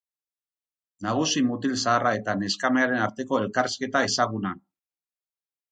Nagusi mutil zaharra eta neskamearen arteko elkarrizketa ezaguna.